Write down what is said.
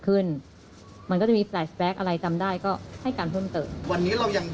ยืนยันไม่ได้เพราะว่าไม่ได้เห็น